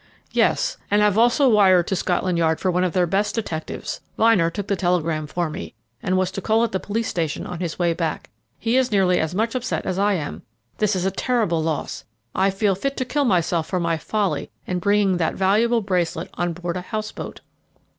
"Yes, and have also wired to Scotland Yard for one of their best detectives. Vyner took the telegram for me, and was to call at the police station on his way back. He is nearly as much upset as I am. This is a terrible loss. I feel fit to kill myself for my folly in bringing that valuable bracelet on board a house boat."